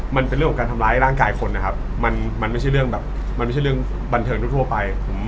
มันเป็นเรื่องของการทำร้ายร่างกายคนนะครับมันไม่ใช่เรื่องบันเทิงทั่วไป